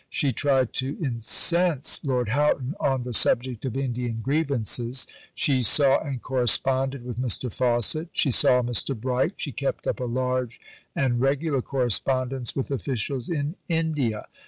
She tried to incense Lord Houghton on the subject of Indian grievances. She saw and corresponded with Mr. Fawcett. She saw Mr. Bright. She kept up a large and regular correspondence with officials in India.